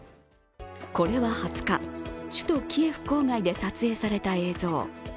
これは２０日、首都キエフ郊外で撮影された映像。